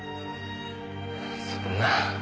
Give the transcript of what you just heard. そんな。